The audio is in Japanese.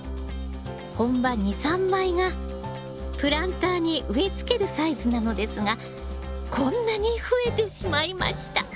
本葉２３枚がプランターに植えつけるサイズなのですがこんなに増えてしまいました。